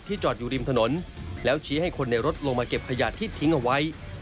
จอดอยู่ริมถนนแล้วชี้ให้คนในรถลงมาเก็บขยะที่ทิ้งเอาไว้